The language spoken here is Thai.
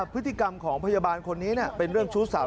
พฤติกรรมของพยาบาลคนนี้เป็นเรื่องชู้สาว